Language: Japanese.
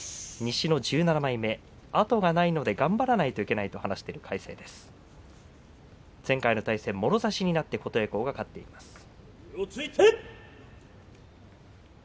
西の１７枚目、後がないので頑張らないといけないと話している魁聖です。